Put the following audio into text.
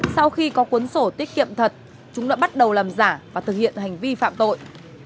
sau khi có cuốn sổ tiết kiệm thật chúng đã bắt đầu làm giả và thực hiện hành vi phạm tội